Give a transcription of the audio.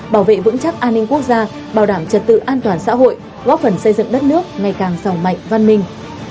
bảo vệ vững chắc an ninh quốc gia bảo đảm trật tự an toàn xã hội góp phần xây dựng đất nước ngày càng sòng mạnh văn minh